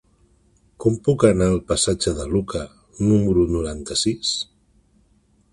Com puc anar al passatge de Lucà número noranta-sis?